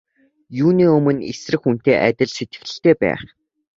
Юуны өмнө эсрэг хүнтэйгээ адил сэтгэгдэлтэй байх.